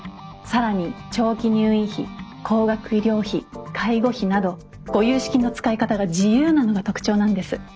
更に長期入院費高額医療費介護費などご融資金の使い方が自由なのが特徴なんです。